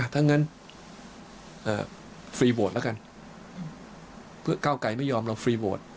ถ้างั้นฟรีโหวตแล้วกันเพื่อก้าวไกรไม่ยอมเราฟรีโหวต